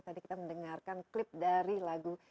tadi kita mendengarkan klip dari lagu